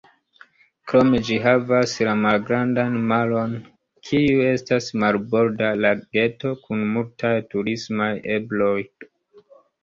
Krome ĝi havas la Malgrandan Maron, kiu estas marborda lageto kun multaj turismaj ebloj.